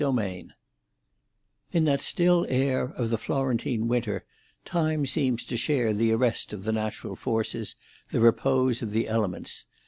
VIII In that still air of the Florentine winter, time seems to share the arrest of the natural forces, the repose of the elements.